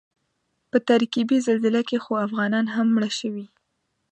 په ترکیې زلزله کې خو افغانان هم مړه شوي.